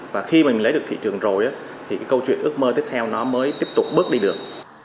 và khi mình lấy được thị trường rồi thì câu chuyện ước mơ tiếp theo nó mới tiếp tục bước đi được